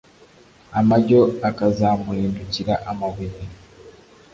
Amajyo akazamuhindukira amabuye.